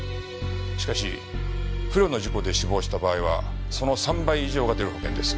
しかし不慮の事故で死亡した場合はその３倍以上が出る保険です。